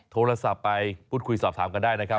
โทรศัพท์ไปพูดคุยสอบถามกันได้นะครับ